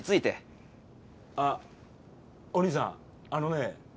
あっおにいさんあのね